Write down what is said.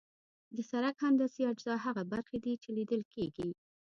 د سرک هندسي اجزا هغه برخې دي چې لیدل کیږي